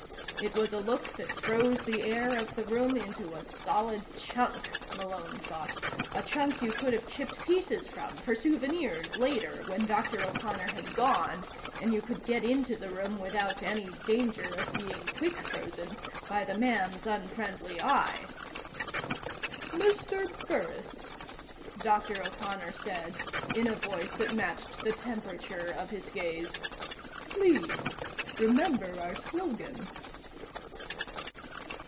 It was a look that froze the air of the room into a solid chunk, Malone thought, a chunk you could have chipped pieces from, for souvenirs, later, when Dr. O'Connor had gone and you could get into the room without any danger of being quick frozen by the man's unfriendly eye. "Mr. Burris," Dr. O'Connor said in a voice that matched the temperature of his gaze, "please. Remember our slogan."